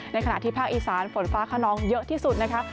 ในขณะที่ภาคอีสานฝนฟ้าขนองเยอะที่สุดนะคะ